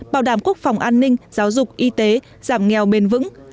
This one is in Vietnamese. bảo đảm quốc phòng an ninh giáo dục y tế giảm nghèo bền vững